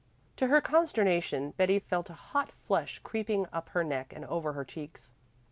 To her consternation Betty felt a hot flush creeping up her neck and over her cheeks.